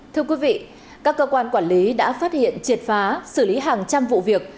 thưa quý vị các cơ quan quản lý đã phát hiện triệt phá xử lý hàng trăm vụ việc